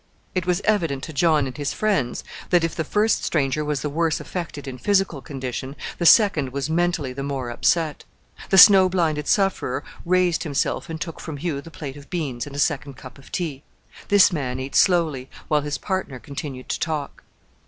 It was evident to John and his friends that if the first stranger was the worse affected in physical condition the second was mentally the more upset. The snow blinded sufferer raised himself and took from Hugh the plate of beans and a second cup of tea. This man ate slowly, while his partner continued to talk.